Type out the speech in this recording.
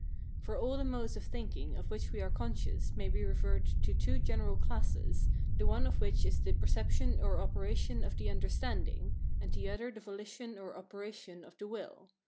For all the modes of thinking of which we are conscious may be referred to two general classes, the one of which is the perception or operation of the understanding, and the other the volition or operation of the will.